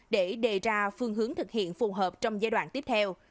để đề ra phương hướng thực hiện phù hợp trong giai đoạn tiếp theo